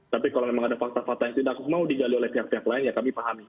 tapi kalau memang ada fakta fakta yang tidak mau digali oleh pihak pihak lain ya kami pahami